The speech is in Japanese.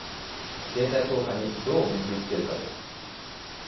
経済効果にどう結び付けるかです。